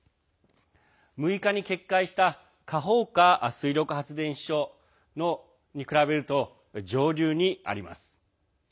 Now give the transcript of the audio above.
６日に決壊したカホウカ水力発電所に比べると上流にあります。